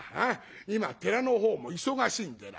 今寺のほうも忙しいんでな。